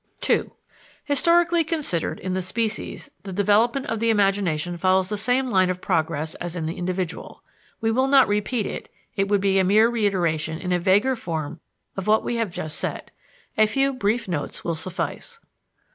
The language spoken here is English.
II Historically considered, in the species, the development of the imagination follows the same line of progress as in the individual. We will not repeat it; it would be mere reiteration in a vaguer form of what we have just said. A few brief notes will suffice.